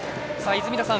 泉田さん